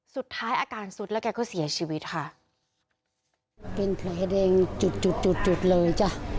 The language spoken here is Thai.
สุดท้ายอาการสุดแล้วแกก็เสียชีวิตค่ะเป็นแผลแดงจุดจุดจุดจุดจุดเลยจ้ะ